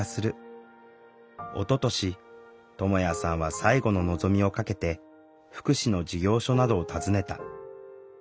おととしともやさんは最後の望みをかけて福祉の事業所などを訪ねた。